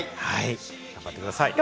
頑張ってください。